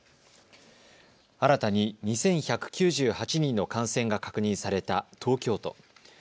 新たに２１９８人の感染が確認された東京都。